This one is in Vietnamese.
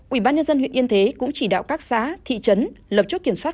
ủy ban nhân dân huyện yên thế cũng chỉ đạo các xã thị trấn lập chốt kiểm soát